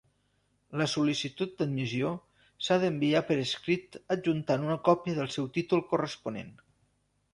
La sol·licitud d'admissió s'ha d'enviar per escrit adjuntant una còpia del seu títol corresponent.